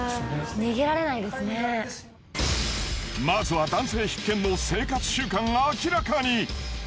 まずは男性必見の生活習慣が明らかに。